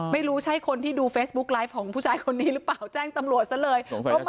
ไม่ใช่คนที่ดูเฟซบุ๊กไลฟ์ของผู้ชายคนนี้หรือเปล่าแจ้งตำรวจซะเลย